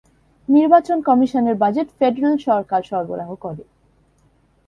নির্বাচন কমিশনের budget federal সরকার সরবরাহ করে।